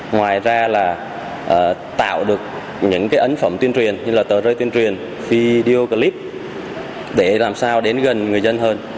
ngoài ra là tạo được những ấn phẩm tuyên truyền như là tờ rơi tuyên truyền video clip để làm sao đến gần người dân hơn